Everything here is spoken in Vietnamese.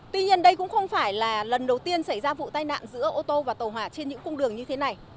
tuy nhiên đây cũng không phải là lần đầu tiên xảy ra vụ tai nạn giữa ô tô và tàu hỏa trên những cung đường như thế này